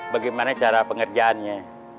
bagaimana cara pengerjaannya